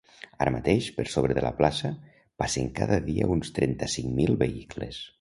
Ara mateix, per sobre de la plaça, passen cada dia uns trenta-cinc mil vehicles.